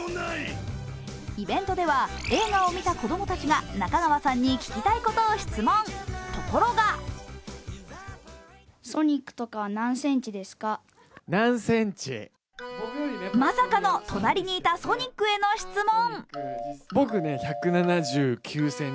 イベントでは映画を見た子供たちが中川さんに聞きたいことを質問、ところがまさかの隣にいたソニックへの質問。